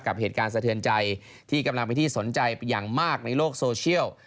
กับเหตุการณ์สะเทือนใจที่กำลังเป็นที่สนใจอย่างมากในโลกโซเชียล